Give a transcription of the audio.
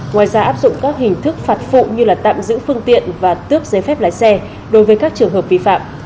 ngoài ra áp dụng các hình thức phạt phụ như tạm giữ phương tiện và tước giấy phép lái xe đối với các trường hợp vi phạm